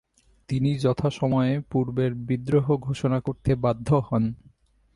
তিনি যথাসময়ের পূর্বেই বিদ্রোহ ঘোষণা করতে বাধ্য হন।